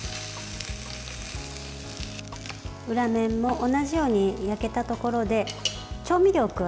裏面も同じように焼けたところで調味料を加えます。